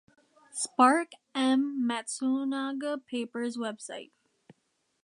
Spark M. Matsunaga Papers web site.